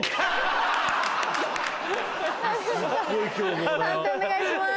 判定お願いします。